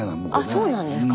あそうなんですか。